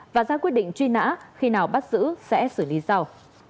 và ra quyết định truy nã khi nào bắt giữ sẽ xử lý sau